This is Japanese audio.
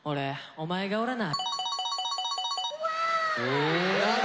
お前がおらな？